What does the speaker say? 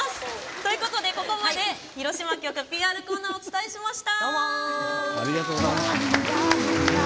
ということで、ここまで広島局ＰＲコーナーをお伝えしました！